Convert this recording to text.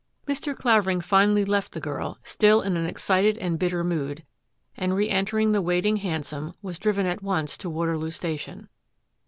Mr. Clavering finally left the girl, still in an ex cited and bitter mood, and re entering the waiting hansom, was driven at once to Waterloo Station.